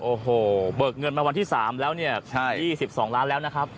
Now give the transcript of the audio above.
โอ้โหเบิกเงินมาวันที่๓แล้วเนี่ย๒๒ล้านแล้วนะครับ